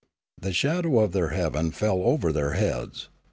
The shadow of their heaven fell over their heads.